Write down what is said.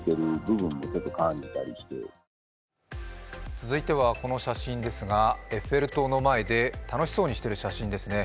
続いてはこの写真ですがエッフェル塔の前で楽しそうにしてる写真ですね。